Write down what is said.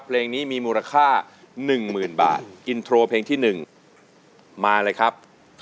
เพลงนี้มีมูลค่า๑๐๐๐บาทอินโทรเพลงที่๑มาเลยครับ